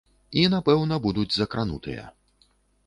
І напэўна будуць закранутыя.